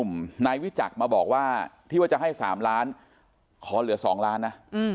มาบอกว่าที่ว่าจะให้๓ล้านขอเหลือ๒ล้านนะ